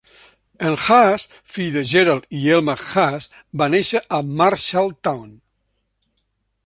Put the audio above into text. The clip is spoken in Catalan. En Huss, fill de Gerald i Elma Huss, va nàixer a Marshalltown.